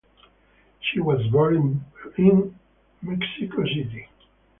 She was born in born in Mexico City.